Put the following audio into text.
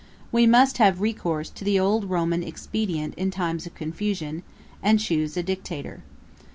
We must have recourse to the old Roman expedient in times of confusion, and chuse a dictator.